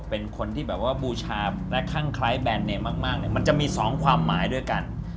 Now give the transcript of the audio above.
เป็นคนที่บูชาบและค่างคล้ายแบรนด์ในมากมันจะมี๒ความหมายด้วยกัน